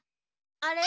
あれ？